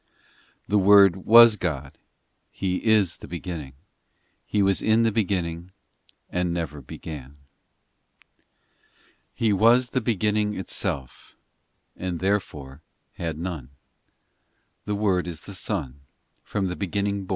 ii The Word was God, He is the Beginning ; He was in the Beginning, And never began. in He was the Beginning itself, And therefore had none ; The Word is the Son, From the beginning born.